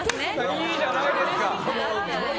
いいじゃないですか！